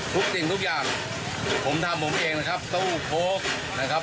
ทุกสิ่งทุกอย่างผมทำผมเองนะครับตู้โค้กนะครับ